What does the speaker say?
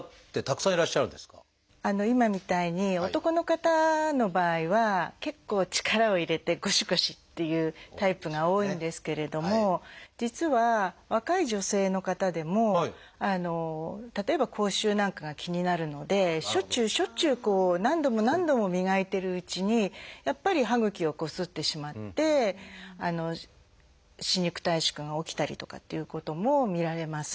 今みたいに男の方の場合は結構力を入れてゴシゴシっていうタイプが多いんですけれども実は若い女性の方でも例えば口臭なんかが気になるのでしょっちゅうしょっちゅう何度も何度も磨いてるうちにやっぱり歯ぐきをこすってしまって歯肉退縮が起きたりとかっていうことも見られます。